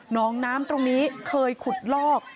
น้องน้ำตรงนี้เคยขุดลอก